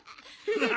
ハハハ！